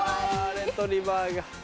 レトリバーが。